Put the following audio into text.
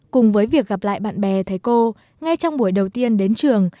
cùng với việc gặp lại bạn bè thầy cô ngay trong buổi đầu tiên đến trường